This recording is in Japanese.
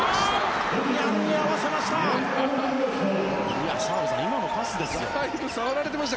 ニャンに合わせました！